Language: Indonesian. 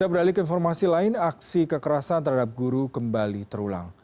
kita beralih ke informasi lain aksi kekerasan terhadap guru kembali terulang